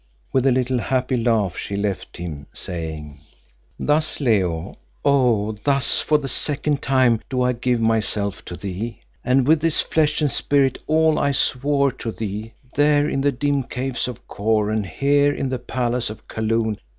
With a little happy laugh she left him, saying, "Thus, Leo Vincey, oh! thus for the second time do I give myself to thee, and with this flesh and spirit all I swore to thee, there in the dim Caves of Kôr and here in the palace of Kaloon.